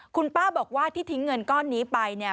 คุณป้าบอกว่าที่ทิ้งเงินก้อนนี้ไปเนี่ย